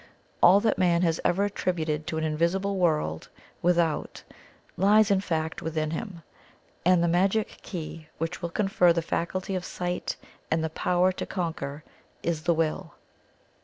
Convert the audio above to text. All that Man has ever attributed to an Invisible World without, lies, in fact, within him, and the magic key which will confer the faculty of sight and the power to conquer is the Will.